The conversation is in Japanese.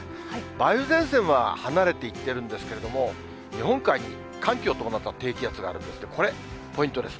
梅雨前線は離れていってるんですけれども、日本海に寒気を伴った低気圧があるんですけど、これ、ポイントです。